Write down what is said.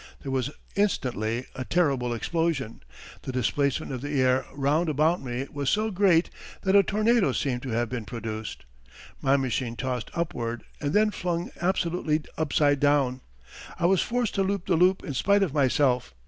There was instantly a terrible explosion. The displacement of the air round about me was so great that a tornado seemed to have been produced. My machine tossed upward and then flung absolutely upside down, I was forced to loop the loop in spite of myself.